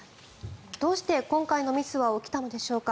どうして今回のミスは起きたのでしょうか。